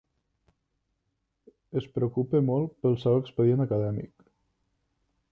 Es preocupa molt pel seu expedient acadèmic.